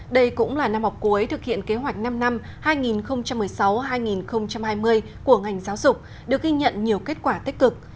đây cũng là năm học cuối thực hiện kế hoạch năm năm hai nghìn một mươi sáu hai nghìn hai mươi của ngành giáo dục được ghi nhận nhiều kết quả tích cực